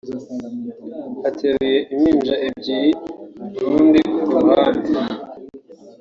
Ateruye impinja ebyiri urundi ku ruhande